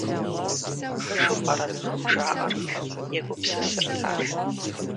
- Пэжу пӀэрэ цӀыхум жаӀэр? - егупсысырт ар.